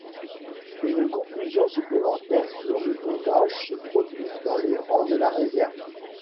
Une confusion supplémentaire sur le nommage se produit dans les rangs de la réserve.